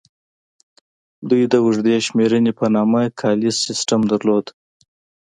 دوی د اوږدې شمېرنې په نامه کالیز سیستم درلود